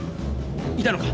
いたのか？